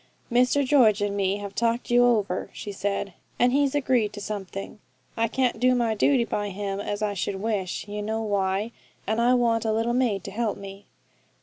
'Mr George and me have talked you over,' she said, 'and he's agreed to something. I can't do my duty by him as I should wish, you know why; and I want a little maid to help me.'